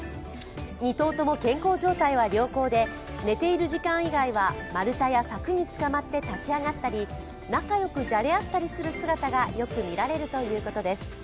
２頭とも健康状態は良好で寝ている時間以外は丸太や柵につかまって立ち上がったり、仲良くじゃれ合ったりする姿がよく見られるということです。